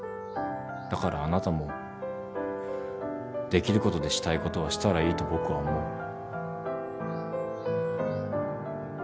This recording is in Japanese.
だからあなたもできることでしたいことはしたらいいと僕は思う。